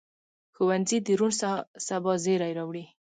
ښوونځی د روڼ سبا زېری راوړي